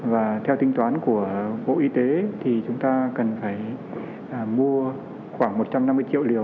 và theo tính toán của bộ y tế thì chúng ta cần phải mua khoảng một trăm năm mươi triệu liều